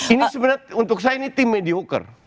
ini sebenernya untuk saya ini tim mediocre